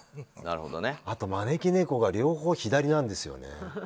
あと招き猫が両方左なんですよね。